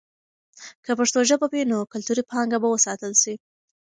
که پښتو ژبه وي، نو کلتوري پانګه به وساتل سي.